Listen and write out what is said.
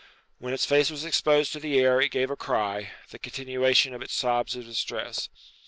When its face was exposed to the air it gave a cry, the continuation of its sobs of distress.